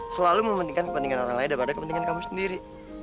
selalu mementingkan kepentingan orang lain daripada kepentingan kamu sendiri